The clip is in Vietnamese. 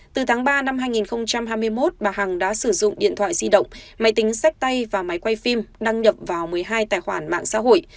từ tháng ba năm hai nghìn hai mươi một bà hằng đã sử dụng điện thoại di động máy tính sách tay và máy quay phim đăng nhập vào một mươi hai tài khoản mạng xã hội